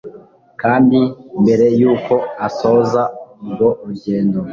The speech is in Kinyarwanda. kandi mbere yuko asoza urwo rugendo